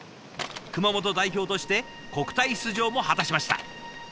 熊本代表として国体出場も果たしました。